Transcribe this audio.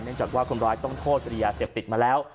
เนื่องจากว่าคนร้ายต้องโทษไปอย่าเสียบติดมาแล้ว